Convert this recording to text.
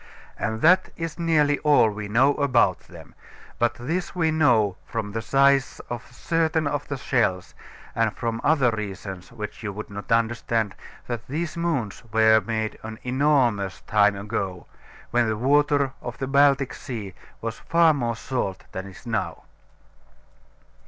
And that is nearly all we know about them; but this we know from the size of certain of the shells, and from other reasons which you would not understand, that these mounds were made an enormous time ago, when the water of the Baltic Sea was far more salt than it is now.